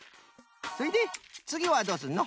それでつぎはどうすんの？